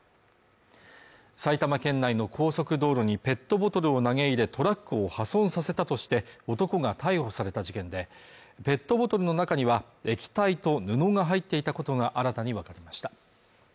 埼玉県内の高速道路にペットボトルを投げ入れトラックを破損させたとして男が逮捕された事件でペットボトルの中には液体と布が入っていたことが新たに分かりました